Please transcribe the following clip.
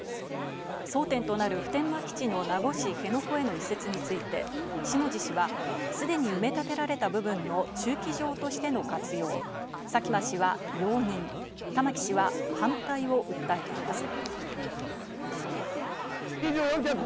争点となる普天間基地の名護市辺野古への移設について下地氏はすでに埋め立てられた部分の駐機場としての活用、佐喜真氏は容認、玉城氏は反対を訴えています。